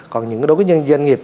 còn những đối với doanh nghiệp